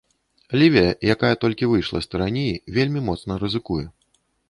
Лівія, якая толькі выйшла з тыраніі, вельмі моцна рызыкуе.